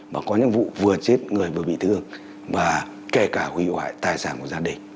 mà có những vụ vừa chết người vừa bị thương và kể cả hủy hoại tài sản của gia đình